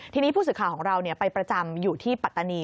ทีนี้ผู้สื่อข่าวของเราไปประจำอยู่ที่ปัตตานี